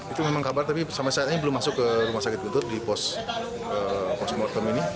itu memang kabar tapi sampai saat ini belum masuk ke rumah sakit guntur di pos posmortem ini